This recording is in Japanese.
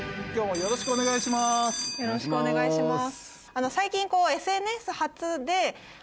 よろしくお願いします。